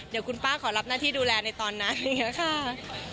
เดี๋ยวคุณป้าขอรับหน้าที่ดูแลในตอนนั้นอย่างนี้ค่ะ